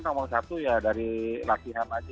nomor satu ya dari latihan aja